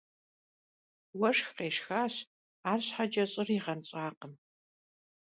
Vueşşx khêşşxaş, arşheç'e ş'ır yiğenş'akhım.